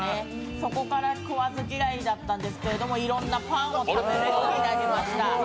そこから、食わず嫌いだったんですけれども、いろんなパンを食べれるようになりました。